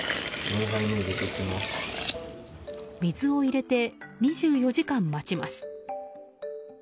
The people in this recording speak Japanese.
水を入れて２４時間待ちます。